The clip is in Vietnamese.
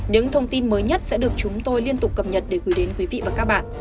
những thông tin mới nhất sẽ được chúng tôi liên tục cập nhật để gửi đến quý vị và các bạn